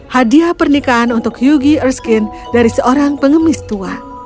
hadiah pernikahan untuk yugi erskine dari seorang pengemis tua